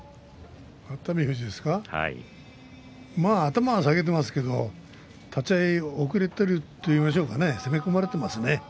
熱海富士まあ頭下げていますけれども立ち合い、遅れているといいましょうかね攻め込まれていますね。